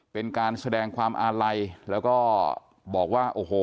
เป็นการแสดงความอาลัยแล้วก็บอกว่าโอ้โห